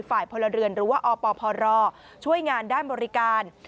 พลเรือนหรือว่าอปพรช่วยงานด้านบริการ